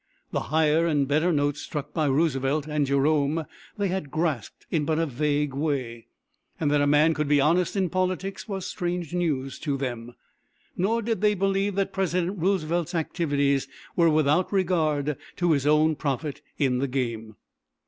The higher and better note struck by Roosevelt and Jerome they had grasped in but a vague way; and that a man could be honest in politics was strange news to them, nor did they believe that President Roosevelt's activities were without regard to his own profit in the game.